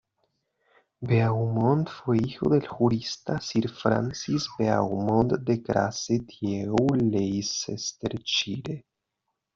Beaumont fue hijo del jurista Sir Francis Beaumont de Grace Dieu, Leicestershire.